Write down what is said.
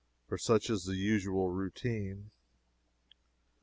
For such is the usual routine.